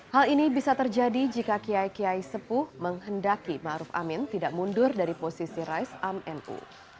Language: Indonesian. hal ini bisa terjadi jika kiai kiai sepuh menghendaki ⁇ maruf ⁇ amin tidak mundur dari posisi rais am nu